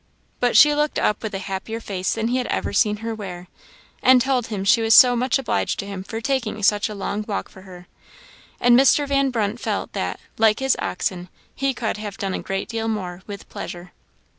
But she looked up with a happier face then he had ever seen her wear, and told him she was "so much obliged to him for taking such a long walk for her;" and Mr. Van Brunt felt that, like his oxen, he could have done a great deal more with pleasure.